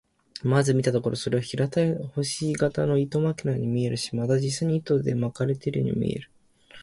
まず見たところ、それは平たい星形の糸巻のように見えるし、また実際に糸で巻かれているようにも見える。